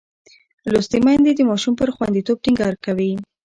لوستې میندې د ماشوم پر خوندیتوب ټینګار کوي.